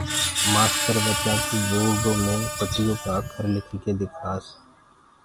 مآستر ٻچآنٚ ڪو بورڊو مي پٽيو ڪآ اکر لک ڪي دکاس